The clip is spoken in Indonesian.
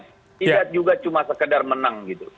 tidak juga cuma sekedar menang gitu